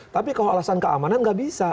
tapi kalau alasan keamanan nggak bisa